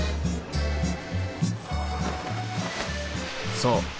そう。